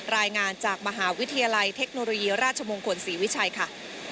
รายงานจากมหาวิทยาลัยเทคโนโลยีราชมงคลศรีวิชัยค่ะ